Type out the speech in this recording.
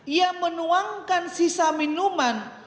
ia menuangkan sisa minuman